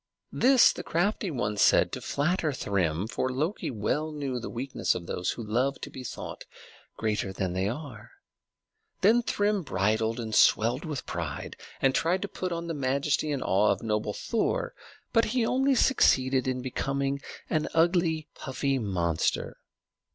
This the crafty one said to flatter Thrym, for Loki well knew the weakness of those who love to be thought greater than they are. Then Thrym bridled and swelled with pride, and tried to put on the majesty and awe of noble Thor; but he only succeeded in becoming an ugly, puffy monster.